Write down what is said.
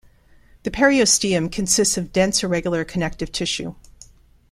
The periosteum consists of dense irregular connective tissue.